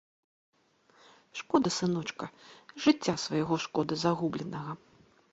Шкода сыночка, жыцця свайго шкода загубленага.